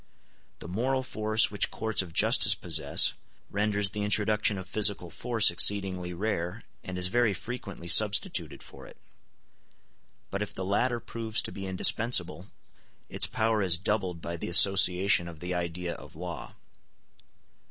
The moral force which courts of justice possess renders the introduction of physical force exceedingly rare, and is very frequently substituted for it; but if the latter proves to be indispensable, its power is doubled by the association of the idea of law.